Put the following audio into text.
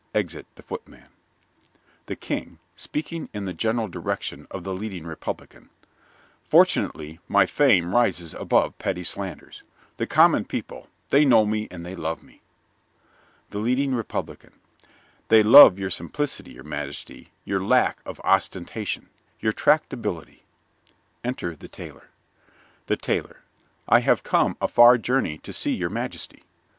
(Exit the Footman.) THE KING (speaking in the general direction of the Leading Republican) Fortunately, my fame rises above petty slanders. The common people, they know me and they love me. THE LEADING REPUBLICAN They love your simplicity, your majesty, your lack of ostentation, your tractability. (Enter the Tailor.) THE TAILOR I have come a far journey to see your majesty.